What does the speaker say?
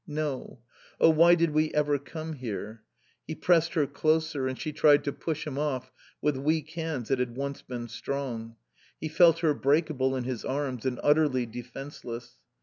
"No. Oh, why did we ever come here?" He pressed her closer and she tried to push him off with weak hands that had once been strong. He felt her breakable in his arms, and utterly defenceless.